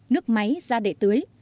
nước máy ra để tưới